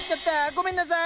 ごめんなさい！